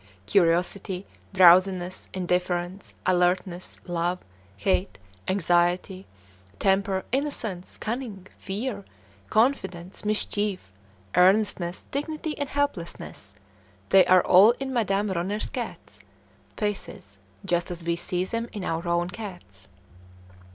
Curiosity, drowsiness, indifference, alertness, love, hate, anxiety, temper, innocence, cunning, fear, confidence, mischief, earnestness, dignity, helplessness, they are all in Madame Ronner's cats' faces, just as we see them in our own cats.